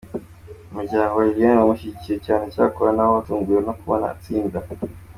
Muri rusange Abarasta bahamagarira abantu bose guhinduka mu mitima, bagahindura isura bafite ku Barasta.